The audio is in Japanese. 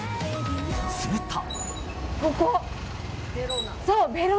すると。